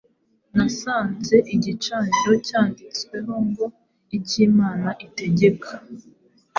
nasanze igicaniro cyanditsweho ngo ‘icyimana itegeka’